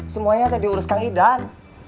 semuanya ada diurus kang idan